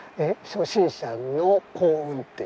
初心者の幸運って。